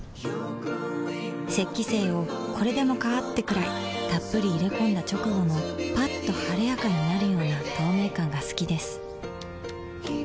雪肌精をこれでもかーってくらいっぷり入れ込んだ直後のッと晴れやかになるような透明感が好きです夏は冷やすと気持ちいいし